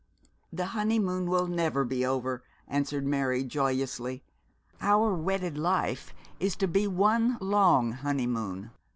'The honeymoon will never be over,' answered Mary, joyously. 'Our wedded life is to be one long honeymoon.